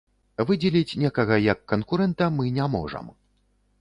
Выдзеліць некага як канкурэнта мы не можам.